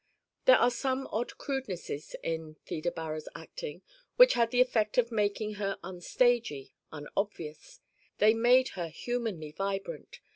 There are some odd crudenesses in Theda Bara's acting which had the effect of making her un stagey, unobvious. They made her humanly vibrant.